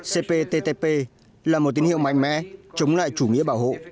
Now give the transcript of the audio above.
cptp là một tín hiệu mạnh mẽ chống lại chủ nghĩa bảo hộ